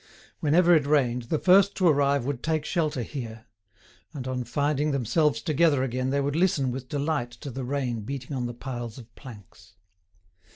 Whenever it rained, the first to arrive would take shelter here; and on finding themselves together again they would listen with delight to the rain beating on the piles of planks.